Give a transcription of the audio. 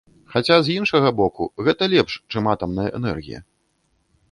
Хаця, з іншага боку, гэта лепш, чым атамная энергія.